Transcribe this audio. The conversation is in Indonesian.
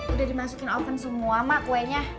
udah dimasukin oven semua mak kuenya